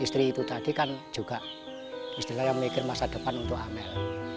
istri itu tadi kan juga istilahnya mikir masa depan untuk amel